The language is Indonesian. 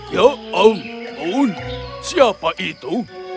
ya ampun siapa itu